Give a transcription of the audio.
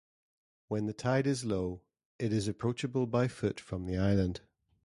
When the tide is low, it is approachable by foot from the island.